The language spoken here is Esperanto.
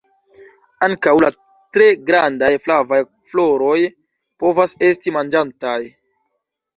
Ankaŭ la tre grandaj flavaj floroj povas esti manĝataj.